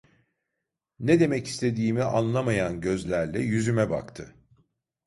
Ne demek istediğimi anlamayan gözlerle yüzüme baktı.